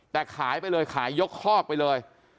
แต่ขายไปเลยขายยกคอกไปเลย